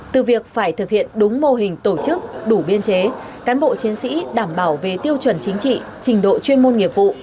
từ việc phải thực hiện đúng mô hình tổ chức đủ biên chế cán bộ chiến sĩ đảm bảo về tiêu chuẩn chính trị trình độ chuyên môn nghiệp vụ